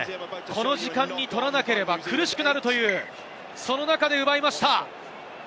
この時間に取らなければ苦しくなるという中で奪いました。